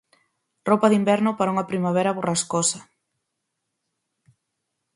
Roupa de inverno para unha primavera borrascosa.